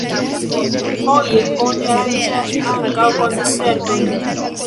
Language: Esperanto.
Foje oni aranĝas ankaŭ koncertojn.